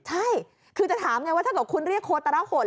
ใช่คือจะถามไงว่าถ้าเกิดคุณเรียกโคตรหน